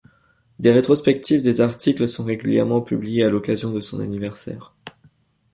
Des rétrospectives des articles sont régulièrement publiées à l'occasion de son anniversaire.